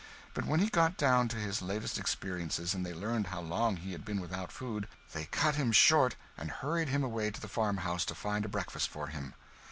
But when he got down to his latest experiences and they learned how long he had been without food, they cut him short and hurried him away to the farmhouse to find a breakfast for him.